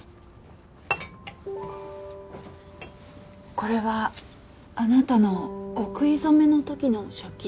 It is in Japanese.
これはあなたのお食い初めの時の食器です。